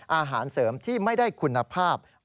อาหารเสริมที่ไม่ได้คุณภาพ